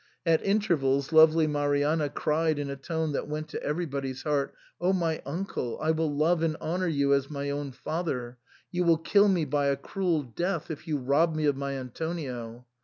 At intervals lovely Marianna cried in a tone that went to everybody's heart, " O my uncle, I will love and honour you as my own father ; you will kill me by a cruel death if you rob me of my Antonio."